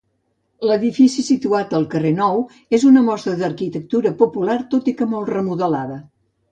L'edifici situat al carrer Nou és una mostra d'arquitectura popular tot i que molt remodelada.